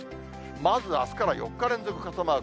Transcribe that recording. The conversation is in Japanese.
まずあすから４日連続傘マーク。